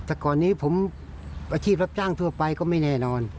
อาชีพรับจ้างทั่วไปก็ไม่แน่นอน